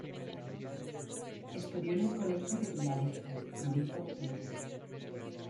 Estudió en el Colegio de Villarejo, provincia de Toledo.